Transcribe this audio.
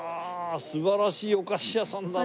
素晴らしいお菓子屋さんだな。